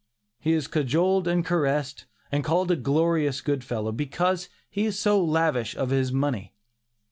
He is cajoled and caressed, and called a glorious good fellow, because he is so lavish of his money.